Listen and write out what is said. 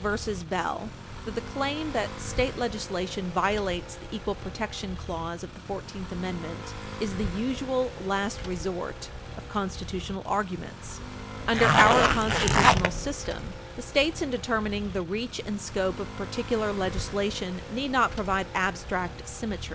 Bell, supra, that the claim that state legislation violates the equal protection clause of the Fourteenth Amendment is "the usual last resort of constitutional arguments." 274 U.S. p. 274 U. S. 208. Under our constitutional Page 316 U. S. 540 system, the States, in determining the reach and scope of particular legislation, need not provide "abstract symmetry." Patsone v.